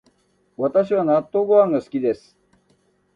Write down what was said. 私は納豆ご飯が好きです